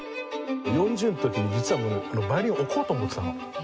４０の時に実はヴァイオリンを置こうと思ってたの。